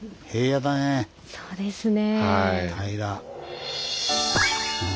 そうですね。